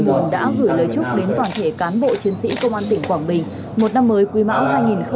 bồn đã gửi lời chúc đến toàn thể cán bộ chiến sĩ công an tỉnh quảng bình một năm mới quý mão